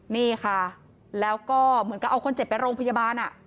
นี่ค่ะแล้วก็เหมือนกับเอาคนเจ็บไปโรงพยาบาล